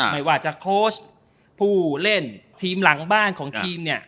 ไม่ว่าจะโค้ชผู้เล่นทีมหลังบ้านของทีมเนี่ย